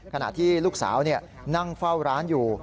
ขณะที่ลูกสาวนั่งเฝ้าร้านอยู่